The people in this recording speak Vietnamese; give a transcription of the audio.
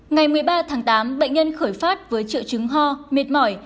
ngày một mươi ba tháng tám bệnh nhân khởi phát với triệu chứng ho mệt mỏi